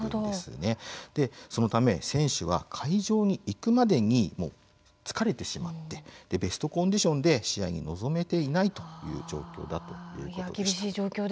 そのため選手は会場に行くまでに疲れてしまってベストコンディションで試合に臨めない状況だということでした。